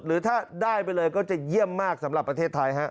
หรือถ้าได้ไปเลยก็จะเยี่ยมมากสำหรับประเทศไทยฮะ